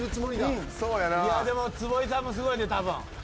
でも坪井さんもすごいねたぶん。